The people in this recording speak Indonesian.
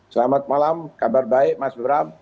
selamat malam kabar baik mas bram